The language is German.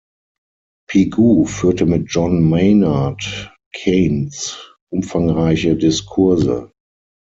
Pigou führte mit John Maynard Keynes umfangreiche Diskurse.